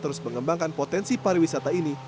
terus mengembangkan potensi pariwisata ini